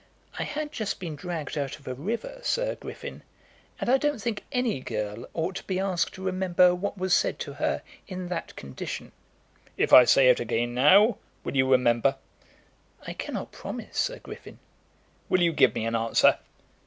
"I had just been dragged out of a river, Sir Griffin, and I don't think any girl ought to be asked to remember what was said to her in that condition." "If I say it again now, will you remember?" "I cannot promise, Sir Griffin." "Will you give me an answer?"